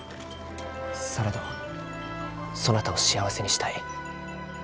されどそなたを幸せにしたい。